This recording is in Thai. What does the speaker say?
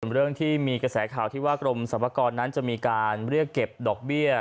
เรื่องที่มีกระแสข่าวที่ว่ากรมสรรพากรนั้นจะมีการเรียกเก็บดอกเบี้ย